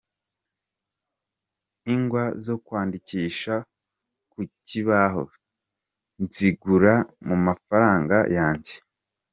Ingwa zo kwandikisha ku kibaho nzigura mu mafaranga yanjye.